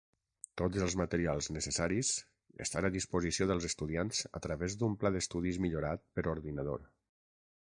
Tots els materials necessaris estan a disposició dels estudiants a través d'un pla d'estudis millorat per ordinador.